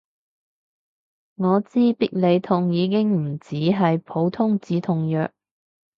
我知必理痛已經唔止係普通止痛藥